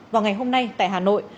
vào ngày hôm nay tại hà nội